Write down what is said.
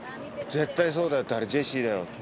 絶対そうだよあれジェシーだよ。